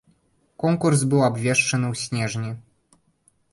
Конкурс быў абвешчаны ў снежні.